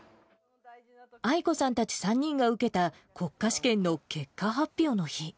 アイコさんたち３人が受けた国家試験の結果発表の日。